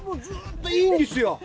ずっといいんですよ。